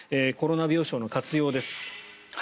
コロナ病床の活用です。